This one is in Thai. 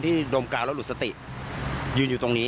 ดมกาวแล้วหลุดสติยืนอยู่ตรงนี้